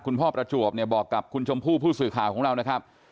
พ่อประจวบเนี่ยบอกกับคุณชมพู่ผู้สื่อข่าวของเรานะครับ